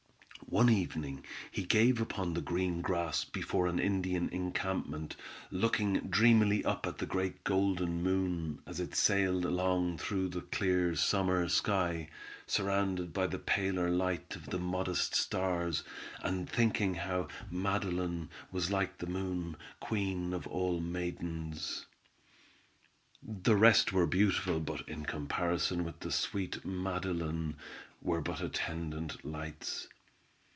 One evening he lay upon the green grass before an Indian encampment, looking dreamily up at the great golden moon as it sailed along through the clear summer sky, surrounded by the paler light of the modest stars, and thinking how Madeline was like the moon, queen of all maidens. The rest were beautiful, but in comparison with the sweet Madeline were but attendant lights.